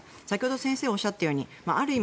先生がおっしゃったようにある意味